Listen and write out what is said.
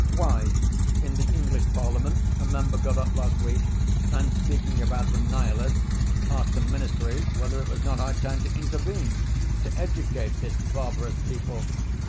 "Why, in the English Parliament a Member got up last week and speaking about the Nihilists asked the Ministry whether it was not high time to intervene, to educate this barbarous people.